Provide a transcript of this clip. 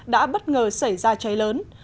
đã bất ngờ xảy ra cháy lớn